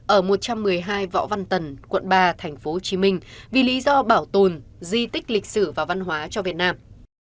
ở một trăm một mươi hai võ văn tần quận ba tp hcm vì lý do bảo tồn di tích lịch sử và văn hóa cho việt nam